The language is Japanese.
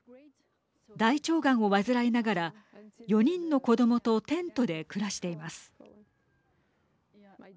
大腸がんを患いながら４人の子どもとテントで暮らしています。